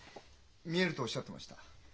見えるとおっしゃってました？